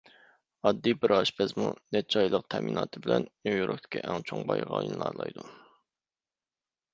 ئاددىي بىر ئاشپەزمۇ نەچچە ئايلىق تەمىناتى بىلەن نيۇ-يوركتىكى ئەڭ چوڭ بايغا ئايلىنالايدۇ.